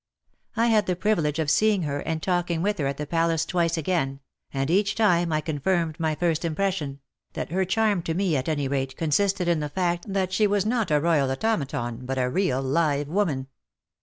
I had the privilege of seeing her and talking with her at the Palace twice again, and each time I con firmed my first impression, that her charm to me, at any rate, consisted in the fact that she was not a royal automaton, but a real live woman.